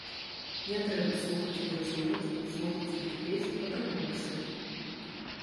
Не трэба слухаць і разумець, слухаць і тупець атрымалася.